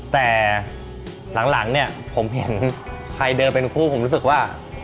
แต่หลังเนี่ยผมเห็นใครเดินเป็นคู่ผมรู้สึกว่า